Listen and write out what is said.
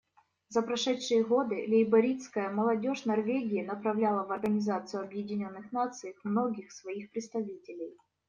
За прошедшие годы лейбористская молодежь Норвегии направляла в Организацию Объединенных Наций многих своих представителей.